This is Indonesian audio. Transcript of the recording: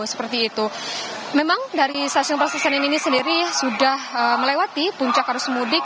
jadi itu memang dari stasiun pasar senen ini sendiri sudah melewati puncak arus pemudik